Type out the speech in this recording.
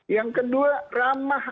yang kedua ramah